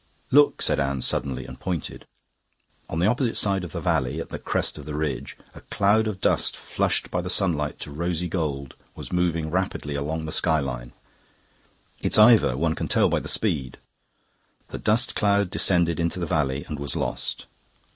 "Look!" said Anne suddenly, and pointed. On the opposite side of the valley, at the crest of the ridge, a cloud of dust flushed by the sunlight to rosy gold was moving rapidly along the sky line. "It's Ivor. One can tell by the speed." The dust cloud descended into the valley and was lost.